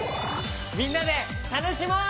みんなでたのしもう！